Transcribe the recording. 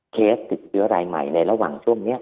เคสติดเชื้อรายใหม่ในระหว่างช่วงนี้